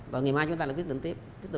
và ngày mai chúng ta là quyết định tiếp